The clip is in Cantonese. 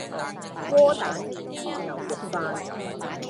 窩蛋免治牛肉飯